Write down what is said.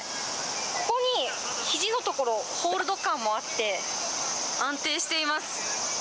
ここにひじの所、ホールド感もあって、安定しています。